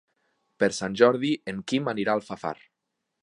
Per Sant Jordi en Quim anirà a Alfafar.